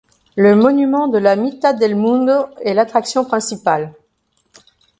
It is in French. Le monument de la Mitad del Mundo est l'attraction principale.